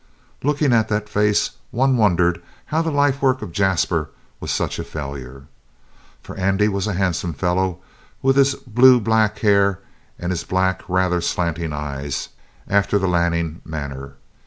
Looking at that face one wondered how the life work of Jasper was such a failure. For Andy was a handsome fellow with his blue black hair and his black, rather slanting eyes, after the Lanning manner.